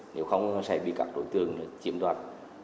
nếu không sẽ bị các đối tượng chiếm đoạt